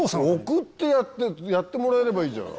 送ってやってやってもらえればいいじゃん。